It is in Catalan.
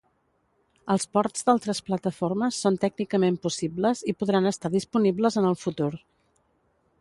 Els ports d'altres plataformes són tècnicament possibles i podran estar disponibles en el futur.